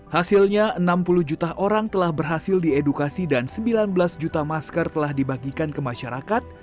hasilnya enam puluh juta orang telah berhasil diedukasi dan sembilan belas juta masker telah dibagikan ke masyarakat